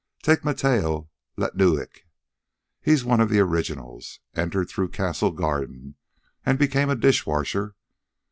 Take Matteo Lettunich he's one of the originals. Entered through Castle Garden and became a dish washer.